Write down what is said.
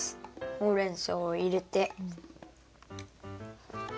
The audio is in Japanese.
ほうれんそうを入れて。